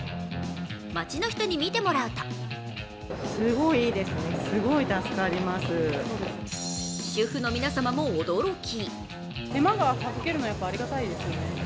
街の人に見てもらうと主婦の皆様も驚き。